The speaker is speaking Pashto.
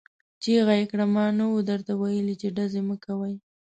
چيغه يې کړه! ما نه وو درته ويلي چې ډزې مه کوئ!